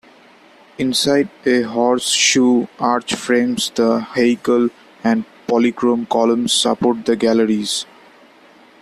Inside, a horseshoe arch frames the heichal and polychrome columns support the galleries.